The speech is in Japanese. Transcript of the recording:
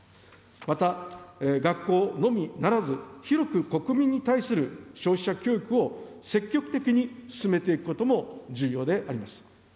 また、学校のみならず広く国民に対する消費者教育を積極的に進めていくことも重要であります。